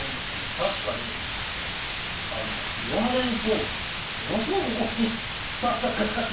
確かに言われるとものすごいここに負担がかかって。